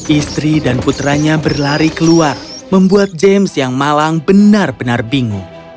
istri dan putranya berlari keluar membuat james yang malang benar benar bingung